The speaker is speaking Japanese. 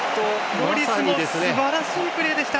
ロリスのすばらしいプレーでした。